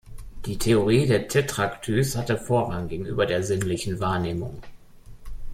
Die Theorie der Tetraktys hatte Vorrang gegenüber der sinnlichen Wahrnehmung.